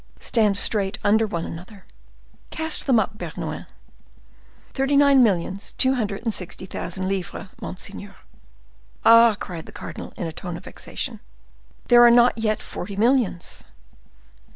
"Stand straight under one another." "Cast them up, Bernouin." "Thirty nine millions two hundred and sixty thousand livres, monseigneur." "Ah!" cried the cardinal, in a tone of vexation; "there are not yet forty millions!"